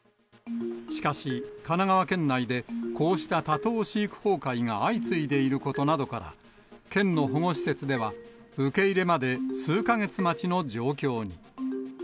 しかし、神奈川県内でこうした多頭飼育崩壊が相次いでいることなどから、県の保護施設では、受け入れまで数か月待ちの状況に。